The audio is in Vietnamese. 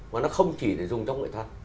và nó không chỉ để dùng trong nghệ thuật